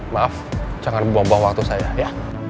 maaf jangan buang buang waktu saya ya